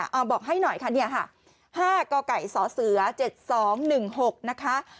อ่าบอกให้หน่อยคะเนี้ยค่ะห้าก็ไก่สอเสือเจ็ดสองหนึ่งหกนะคะ